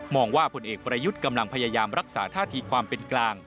ว่าผลเอกประยุทธ์กำลังพยายามรักษาท่าทีความเป็นกลาง